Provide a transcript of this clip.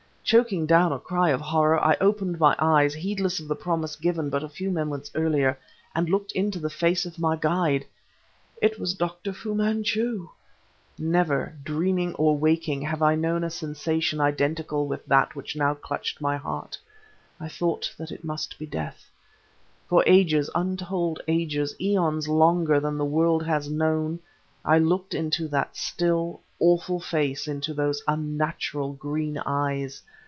Choking down a cry of horror, I opened my eyes heedless of the promise given but a few moments earlier and looked into the face of my guide. It was Dr. Fu Manchu!... Never, dreaming or waking, have I known a sensation identical with that which now clutched my heart; I thought that it must be death. For ages, untold ages aeons longer than the world has known I looked into that still, awful face, into those unnatural green eyes.